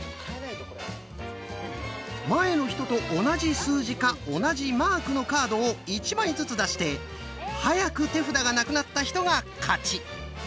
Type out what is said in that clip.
前の人と同じ数字か同じマークのカードを１枚ずつ出して早く手札がなくなった人が勝ち。